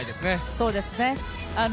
そうですね。